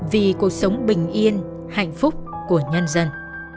vì cuộc sống bình yên hạnh phúc của nhân dân